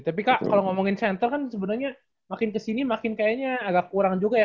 tapi kak kalau ngomongin center kan sebenarnya makin kesini makin kayaknya agak kurang juga ya